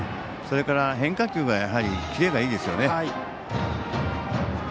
それから、変化球がやはりキレがいいですよね。